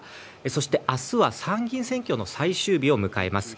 そして明日は参議院選挙の最終日を迎えます。